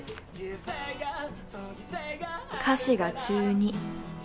「歌詞が中二」。